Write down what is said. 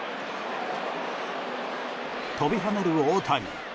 飛び跳ねる大谷。